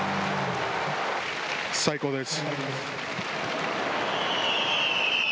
最高です。